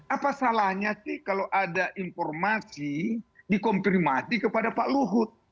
apa salahnya sih kalau ada informasi dikonfirmasi kepada pak luhut